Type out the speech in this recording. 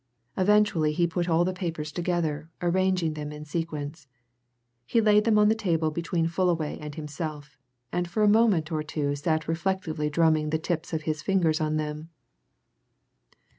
Eventually he put all the papers together, arranging them in sequence. He laid them on the table between Fullaway and himself, and for a moment or two sat reflectively drumming the tips of his fingers on them.